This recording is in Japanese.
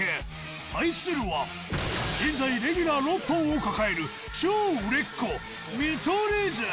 対するは、現在レギュラー６本を抱える超売れっ子、見取り図。